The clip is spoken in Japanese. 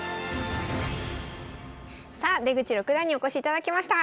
さあ出口六段にお越しいただきました。